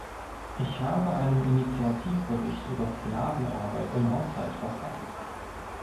Ich habe einen Initiativbericht über Sklavenarbeit im Haushalt verfasst.